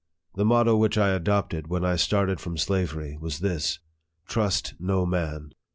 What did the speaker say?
The motto which I adopted when I started from slavery was this " Trust no man